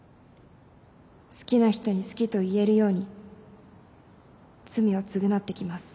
「好きな人に好きと言えるように罪を償ってきます」